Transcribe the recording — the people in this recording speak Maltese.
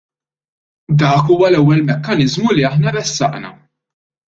Dak huwa l-ewwel mekkaniżmu li aħna ressaqna.